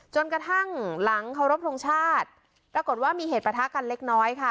กระทั่งหลังเคารพทงชาติปรากฏว่ามีเหตุประทะกันเล็กน้อยค่ะ